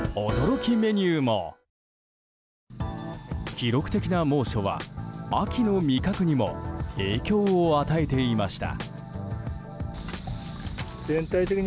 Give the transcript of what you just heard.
記録的な猛暑は秋の味覚にも影響を与えていました。